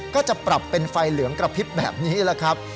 ก็จะปรับเป็นไฟเหลืองกระพริบแบบนี้แหละครับ